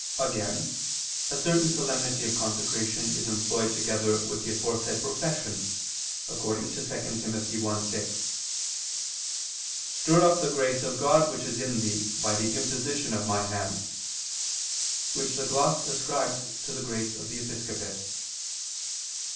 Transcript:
Again, a certain solemnity of consecration is employed together with the aforesaid profession, according to 2 Tim. 1:6: "Stir up the grace of God which is in thee by the imposition of my hands," which the gloss ascribes to the grace of the episcopate.